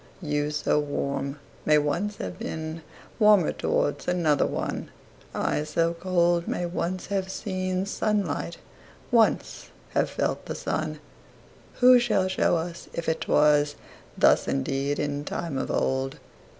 You, so warm, may once have beenWarmer towards another one:I, so cold, may once have seenSunlight, once have felt the sun:Who shall show us if it wasThus indeed in time of old?